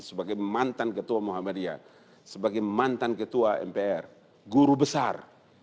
sebagai mantan ketua muhammadiyah sebagai mantan ketua mpr guru besar